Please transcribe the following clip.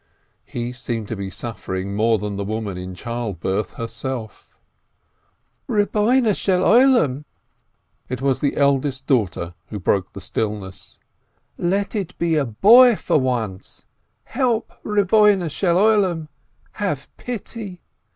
He seemed to be suffering more than the woman in childbirth herself. "Lord of the World !"— it was the eldest daughter who broke the stillness — "Let it be a boy for once! Help, Lord of the "World, have pity